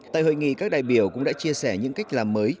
tại hội nghị các đại biểu cũng đã chia sẻ những cách làm mới